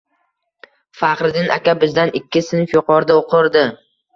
Faxriddin aka bizdan ikki sinf yuqorida o'qirdi